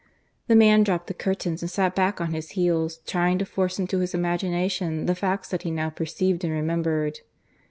The man dropped the curtains and sat back on his heels, trying to force into his imagination the facts that he now perceived and remembered.